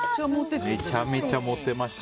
めちゃめちゃモテてる。